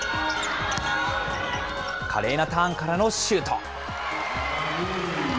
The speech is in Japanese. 華麗なターンからのシュート。